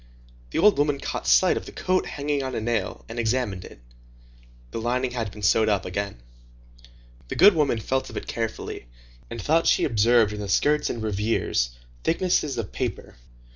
The old woman caught sight of the coat hanging on a nail, and examined it. The lining had been sewed up again. The good woman felt of it carefully, and thought she observed in the skirts and revers thicknesses of paper.